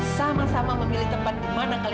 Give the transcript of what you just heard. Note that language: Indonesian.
sama sama memilih tempat di mana kamu berada